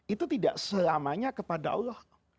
itu tidak selamanya kepada allah